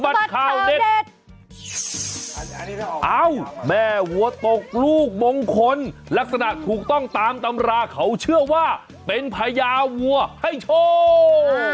ตกลูกมงคลลักษณะถูกต้องตามตำราเขาเชื่อว่าเป็นพญาวัวให้โชว์